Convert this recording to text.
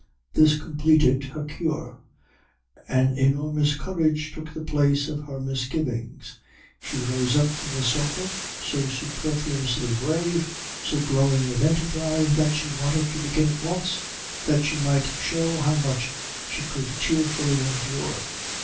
This completed her cure. An enormous courage took the place of her misgivings. She rose up from the sofa so superfluously brave, so glowing with enterprise, that she wanted to begin at once that she might show how much she could cheerfully endure.